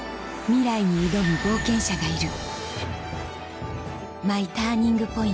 ミライに挑む冒険者がいる